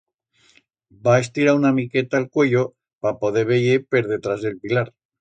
Va estirar una miqueta el cuello pa poder veyer per detrás d'el pilar.